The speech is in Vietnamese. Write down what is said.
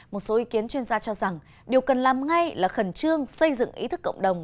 một số ý kiến chuyên gia cho rằng điều cần làm ngay là khẩn trương xây dựng ý thức cộng đồng